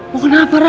mau kenapa rara